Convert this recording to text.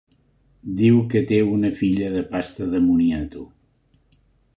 Diu que té una filla de pasta de moniato.